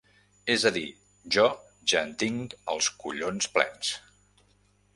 És a dir: jo ja en tinc els collons plens.